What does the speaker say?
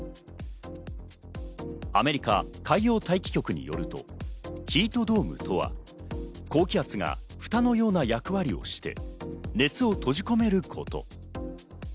アメリカ海洋大気局によると、ヒートドームとは、高気圧が蓋のような役割をして熱を閉じ込めること。